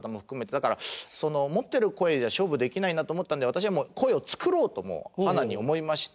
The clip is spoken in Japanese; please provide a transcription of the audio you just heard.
だから持ってる声では勝負できないなと思ったんで私は声を作ろうとはなに思いまして。